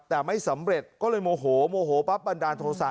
แต่ไม่สำเร็จก็เลยโมโหโมโหปั๊บบันดาลโทษะ